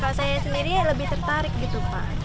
kalau saya sendiri lebih tertarik gitu pak